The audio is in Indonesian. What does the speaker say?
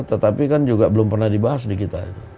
tetapi kan juga belum pernah dibahas di kita itu